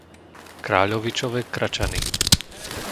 Kráľovičove Kračany